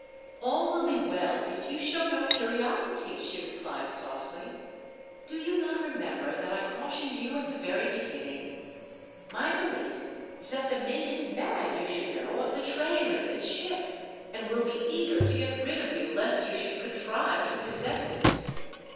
"All will be well if you show no curiosity," she replied, softly. " Do you not remember that I cautioned you at the very beginning? My belief is that the mate is mad you should know of the treasure in this ship, and will be eager to get rid of you lest you should contrive to possess it."